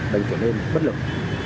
đành trở nên bất lực